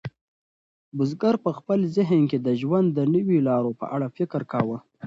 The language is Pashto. بزګر په خپل ذهن کې د ژوند د نویو لارو په اړه فکر کاوه.